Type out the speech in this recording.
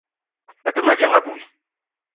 A te ma dzeng abui.